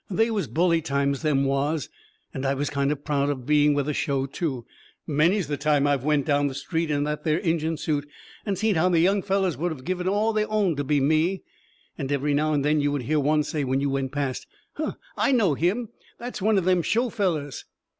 They was bully times, them was. And I was kind of proud of being with a show, too. Many's the time I have went down the street in that there Injun suit, and seen how the young fellers would of give all they owned to be me. And every now and then you would hear one say when you went past: "Huh, I know him! That's one of them show fellers!"